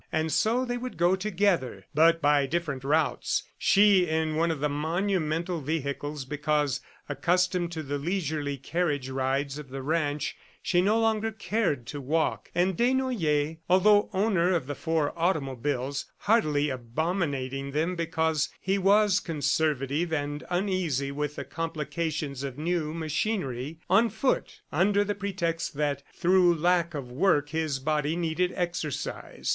And so they would go together, but by different routes; she in one of the monumental vehicles because, accustomed to the leisurely carriage rides of the ranch, she no longer cared to walk; and Desnoyers although owner of the four automobiles, heartily abominating them because he was conservative and uneasy with the complications of new machinery on foot under the pretext that, through lack of work, his body needed the exercise.